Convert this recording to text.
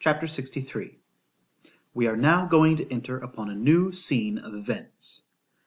C H A P. LXIII WE are now going to enter upon a new scene of events.